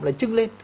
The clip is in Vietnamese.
là chưng lên